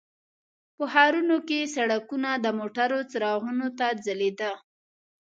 په ښارونو کې سړکونه د موټرو څراغونو ته ځلیده.